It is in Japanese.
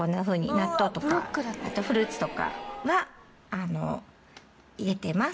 納豆とかフルーツとかは入れてます。